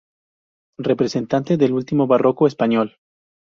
Representante del último barroco español.